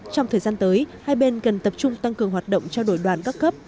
trong thời gian tới hai bên cần tập trung tăng cường hoạt động trao đổi đoàn các cấp